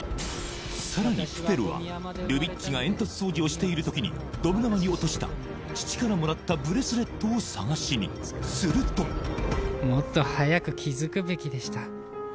さらにプペルはルビッチがえんとつ掃除をしている時にドブ川に落とした父からもらったブレスレットを探しにするともっと早く気づくべきでした